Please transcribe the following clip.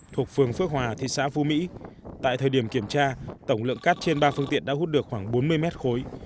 thuộc phường phước hòa thị xã phú mỹ tại thời điểm kiểm tra tổng lượng cát trên ba phương tiện đã hút được khoảng bốn mươi mét khối